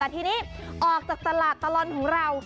แต่ทีนี้ออกจากตลาดตลอดของเรา